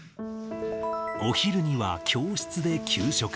お昼には教室で給食。